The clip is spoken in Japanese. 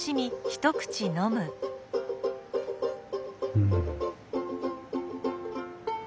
うん。